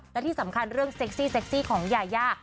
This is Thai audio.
แล้วที่สำคัญเรื่องเซ็กซี่ของหยายย่า